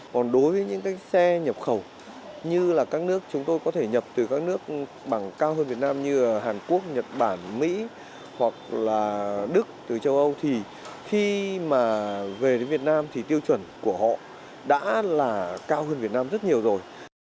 còn đối với những cái xe nhập khẩu như là các nước chúng tôi có thể nhập từ các nước bằng cao hơn việt nam như hàn quốc nhật bản mỹ hoặc là đức từ châu âu thì khi mà về đến việt nam thì tiêu chuẩn của họ đã là cao hơn việt nam rất nhiều rồi